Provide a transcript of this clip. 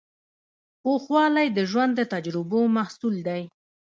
پوخوالی د ژوند د تجربو محصول دی.